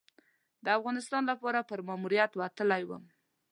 د افغانستان لپاره په ماموریت وتلی وم.